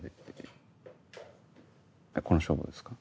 この勝負ですか？